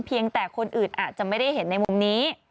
แต่คนอื่นอาจจะไม่ได้เห็นในมุมนี้